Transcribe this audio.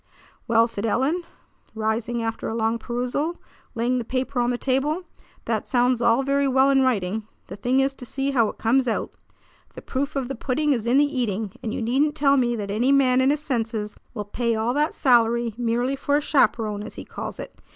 "Well," said Ellen, rising after a long perusal, laying the paper on the table, "that sounds all very well in writing. The thing is to see how it comes out. The proof of the pudding is in the eating, and you needn't tell me that any man in his senses will pay all that salary merely for a 'chaperon,' as he calls it.